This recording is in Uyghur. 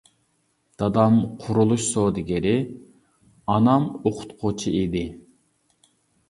دادام قۇرۇلۇش سودىگىرى، ئانام ئوقۇتقۇچى ئىدى.